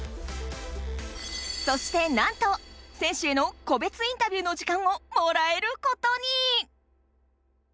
そしてなんと選手へのこべつインタビューの時間をもらえることに！